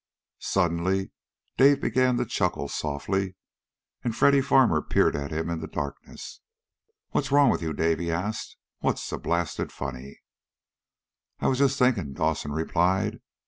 Suddenly, Dave began to chuckle softly. And Freddy Farmer peered at him in the darkness. "What's wrong with you, Dave?" he asked, "What's so blasted funny?" "I was just thinking," Dawson replied.